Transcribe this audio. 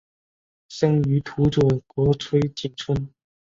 生于土佐国吹井村。